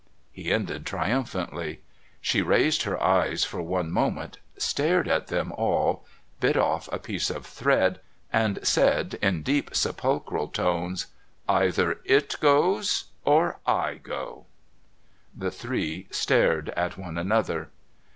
He ended triumphantly. She raised her eyes for one moment, stared at them all, bit off a piece of thread, and said in deep, sepulchral tones: "Either it goes, or I go." The three stared at one another.